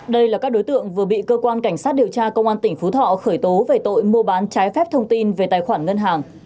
đây là các đối tượng vừa bị cơ quan cảnh sát điều tra công an tỉnh phú thọ khởi tố về tội mua bán trái phép thông tin về tài khoản ngân hàng